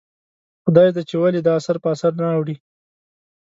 خدایزده چې ولې دا اثر په اثر نه اوړي ؟